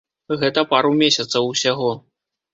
Гэта пару месцаў усяго.